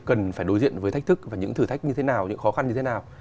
cần phải đối diện với thách thức và những thử thách như thế nào những khó khăn như thế nào